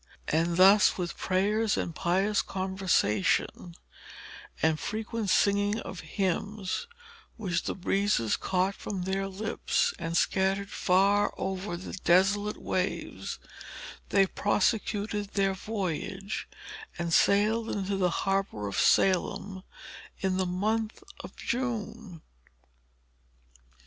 And thus, with prayers and pious conversation, and frequent singing of hymns, which the breezes caught from their lips and scattered far over the desolate waves, they prosecuted their voyage, and sailed into the harbor of Salem in the month of June.